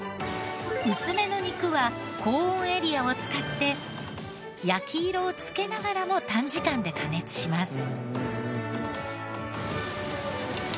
薄めの肉は高温エリアを使って焼き色をつけながらも短時間で加熱します。